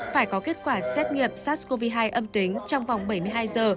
phải có kết quả xét nghiệm sars cov hai âm tính trong vòng bảy mươi hai giờ